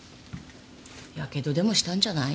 やけどでもしたんじゃない？